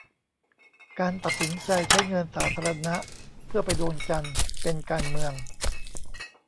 การตัดสินใจใช้เงินสาธารณะเพื่อไปดวงจันทร์ เป็นการเมือง